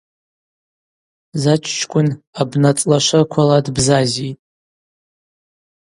Заччкӏвын абнацӏла швырквала дбзазитӏ.